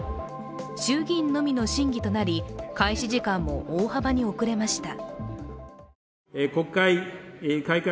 衆議院のみの審議となり開始時間も大幅に遅れました。